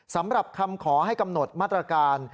สำหรับคำขอให้กำหนดมาตรการ